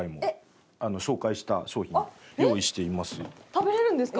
食べられるんですか？